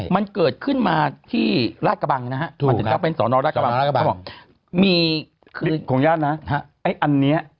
มันเกิดขึ้นมาที่ราชกระบังนะครับ